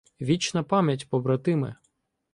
Вічна пам'ять, побратиме!